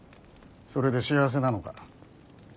それで幸せなのか。